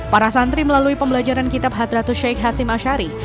para santri melalui pembelajaran kitab hadratu sheikh hashim ashari